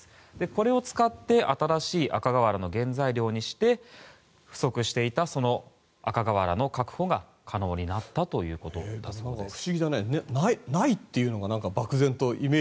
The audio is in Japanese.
これを使って新しい赤瓦の原材料にして不足していた赤瓦の確保が可能になったということだそうです。